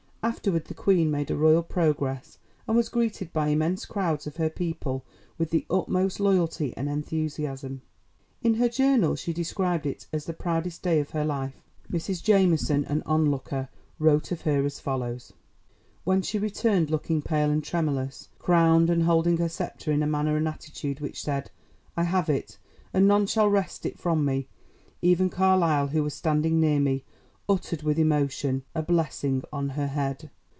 Afterward the Queen made a royal progress and was greeted by immense crowds of her people with the utmost loyalty and enthusiasm. In her journal she described it as the proudest day of her life. Mrs Jamieson, an onlooker, wrote of her as follows: "When she returned, looking pale and tremulous, crowned and holding her sceptre in a manner and attitude which said, 'I have it, and none shall wrest it from me,' even Carlyle, who was standing near me, uttered with emotion, 'A blessing on her head!'"